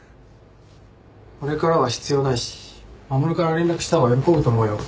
俺からは必要ないし守から連絡した方が喜ぶと思うよ。